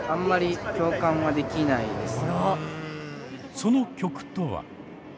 その曲とは。